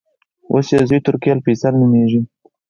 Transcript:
اوس یې زوې ترکي الفیصل نومېږي.